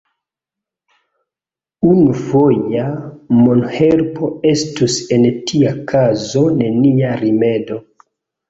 Unufoja monhelpo estus en tia kazo nenia rimedo.